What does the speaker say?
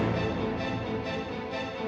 tidak lo sudah nunggu